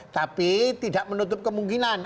tapi tidak menutup kemungkinan